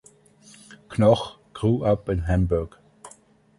Knoch grew up in Hamburg.